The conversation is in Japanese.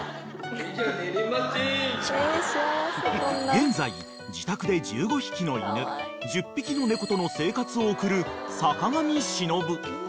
［現在自宅で１５匹の犬１０匹の猫との生活を送る坂上忍］